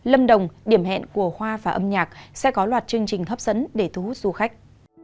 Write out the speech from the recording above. lâm đồng điểm hẹn của hoa và âm nhạc sẽ có loạt chương trình hấp dẫn để thu hút du khách